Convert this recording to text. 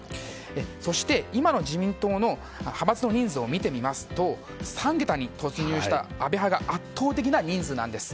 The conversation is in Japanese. そして、今の自民党の派閥の人数を見てみますと３桁に突入した安倍派が圧倒的な人数なんです。